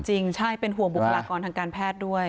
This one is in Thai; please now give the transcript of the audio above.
จริงใช่เป็นห่วงบุคลากรทางการแพทย์ด้วย